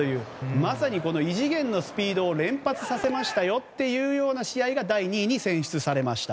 まさに異次元のスピードを連発させましたよという試合が第２位に選出されました。